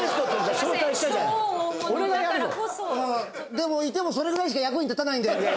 でもいてもそれぐらいしか役に立たないんで。